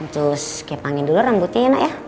cuci kepangin dulu rambutnya ya nek